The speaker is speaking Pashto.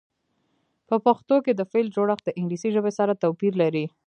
په پښتو کې د فعل جوړښت د انګلیسي ژبې سره توپیر لري.